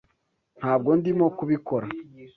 Ntabwo ndimo kubikora.